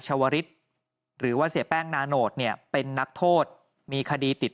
ชาวริสหรือว่าเสียแป้งนาโนตเนี่ยเป็นนักโทษมีคดีติด